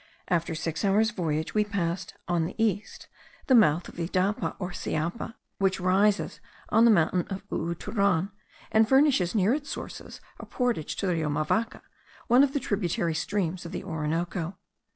After six hours' voyage, we passed on the east the mouth of the Idapa, or Siapa, which rises on the mountain of Uuturan, and furnishes near its sources a portage to the Rio Mavaca, one of the tributary streams of the Orinoco.